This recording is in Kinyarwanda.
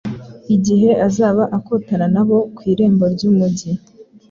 igihe azaba akotana na bo ku irembo ry’umugi